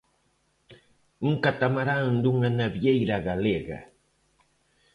Un catamarán dunha navieira galega.